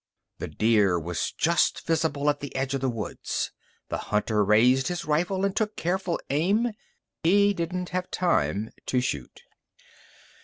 The deer was just visible at the edge of the woods. The hunter raised his rifle, and took careful aim. He didn't have time to shoot.